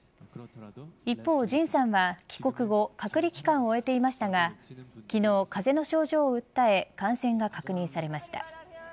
一方ＪＩＮさんは帰国後隔離期間を終えていましたが昨日、風邪の症状を訴え感染が確認されました。